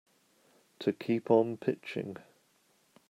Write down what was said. To keep on pitching.